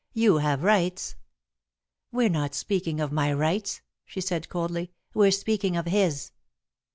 You have rights " "We're not speaking of my rights," she said, coldly. "We're speaking of his."